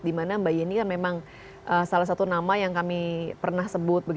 dimana mbak yeni kan memang salah satu nama yang kami pernah sebut